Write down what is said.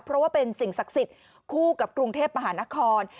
เพราะว่าเป็นสิ่งศักดิ์สิทธิ์คู่กับกรุงเทพมหานคร